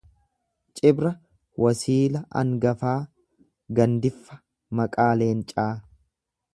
Cibra wasiila angafa gandiffa maqaa leencaa.